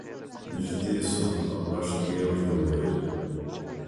نږدې شو او غوږ کې یې ورته وویل.